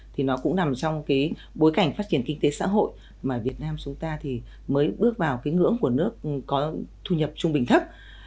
thì nó cũng nằm trong cái bối cảnh phát triển kinh tế xã hội mà việt nam chúng ta thì mới bước vào cái ngưỡng của nước có thu nhập trung bình thấp